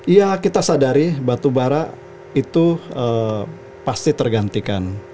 iya kita sadari batubara itu pasti tergantikan